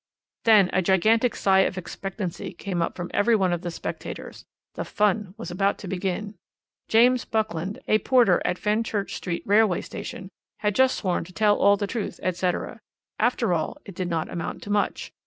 "Then a gigantic sigh of expectancy came from every one of the spectators. The 'fun' was about to begin. James Buckland, a porter at Fenchurch Street railway station, had just sworn to tell all the truth, etc. After all, it did not amount to much.